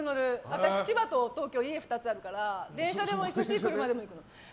私、千葉と東京家が２つあるから電車でも行くし、車でも行くの。